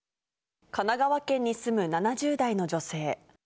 神奈川県に住む７０代の女性。